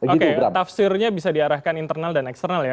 oke tafsirnya bisa diarahkan internal dan eksternal ya